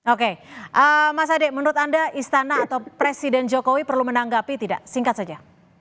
oke mas ade menurut anda istana atau presiden jokowi perlu menanggapi tidak singkat saja